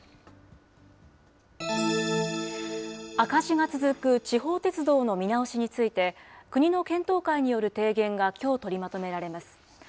赤字が続く地方鉄道の見直しについて、国の検討会による提言がきょう取りまとめられます。